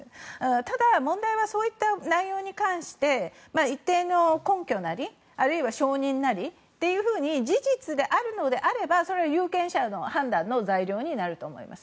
ただ、問題はそういった内容に関して一定の根拠なり証人なりというふうに事実であるのであれば、それは有権者の判断の材料になると思います。